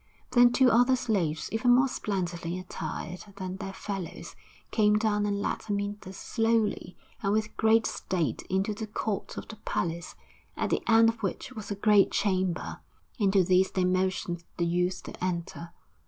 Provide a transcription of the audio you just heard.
Then two other slaves, even more splendidly attired than their fellows, came down and led Amyntas slowly and with great state into the court of the palace, at the end of which was a great chamber; into this they motioned the youth to enter.